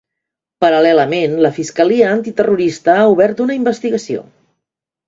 Paral·lelament, la fiscalia antiterrorista ha obert una investigació.